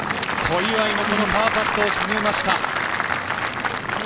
小祝もパーパットを沈めました。